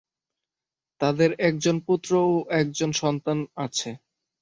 তাদের একজন পুত্র ও একজন সন্তান আছে।